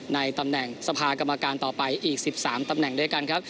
ในตำแหน่งสภากรรมการต่อไปอีก๑๓ตำแหน่งด้วยกันครับ